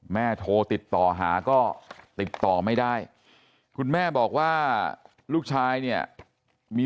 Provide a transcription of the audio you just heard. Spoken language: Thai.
โทรติดต่อหาก็ติดต่อไม่ได้คุณแม่บอกว่าลูกชายเนี่ยมี